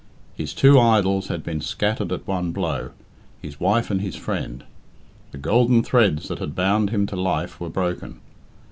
His two idols had been scattered at one blow his wife and his friend. The golden threads that had bound him to life were broken.